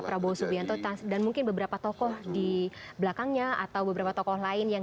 prabowo subianto dan mungkin beberapa tokoh di belakangnya atau beberapa tokoh lain yang